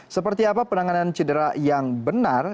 seperti apa penanganan cedera yang benar